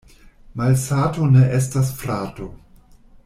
Malsato ne estas frato.